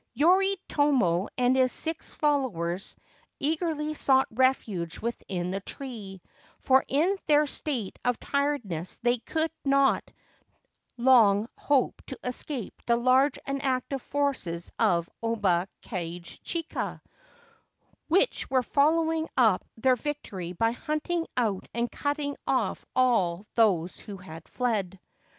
Yoritomo and his six followers eagerly sought refuge within the tree, for in their state of tiredness they could not long hope to escape the large and active forces of Oba Kage chika, which were following up their victory by hunting out and cutting off all those who had fled.